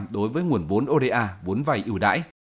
đối với nguồn vốn oda vốn vay yêu đáy